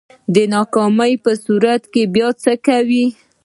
د ناکامۍ په صورت کی بیا څه کوئ؟